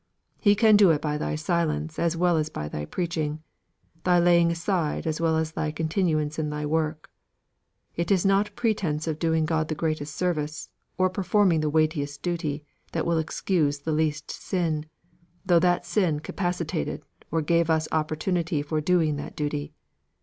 He can do it by thy silence as well as by thy preaching; the laying aside as well as thy continuance in thy work. It is not pretence of doing God the greatest service, or performing the weightiest duty, that will excuse the least sin, though that sin capacitated or gave us the opportunity for doing that duty.